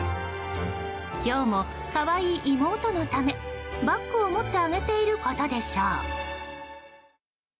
今日も可愛い妹のため、バッグを持ってあげていることでしょう。